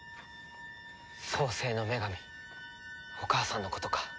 創世の女神お母さんのことか。